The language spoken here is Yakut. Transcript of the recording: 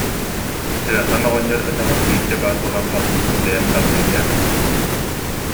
Тыахан оҕонньор өтөҕөр биирдэ баар буолан хаалбыппын бэйэм даҕаны өйдөөбөппүн